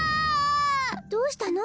どうしたの？